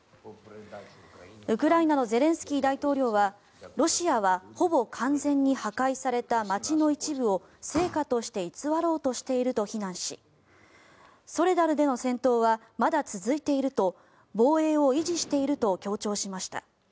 ウクライナのゼレンスキー大統領はロシアはほぼ完全に破壊された街の一部を成果として偽ろうとしていると非難しソレダルでの戦闘はまだ続いていると防衛を維持していると強調しました。